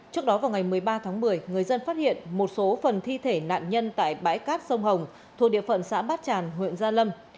trước đó vào ngày một mươi ba tháng một mươi người dân phát hiện một số phần thi thể nạn nhân tại bãi cát sông hồng thuộc địa phận xã bát tràn huyện gia lâm